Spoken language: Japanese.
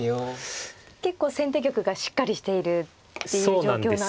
結構先手玉がしっかりしているっていう状況なんですね。